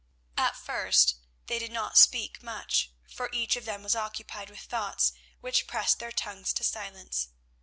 At first they did not speak much, for each of them was occupied with thoughts which pressed their tongues to silence.